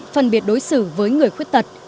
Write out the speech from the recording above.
phân biệt đối xử với người khuất tật